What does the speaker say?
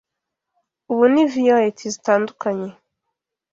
Ubu ni violet zitandukanye.